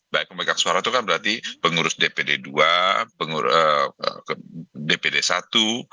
baik pemegang suara itu kan berarti pengurus dpd ii dpd i ormas pendiri ormas sejati